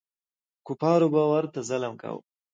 کفار به ورته ظلم کاوه.